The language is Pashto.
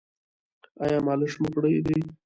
ایا مالش مو کړی دی؟